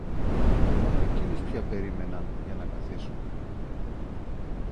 Μόνο εκείνους πια περίμεναν για να καθίσουν.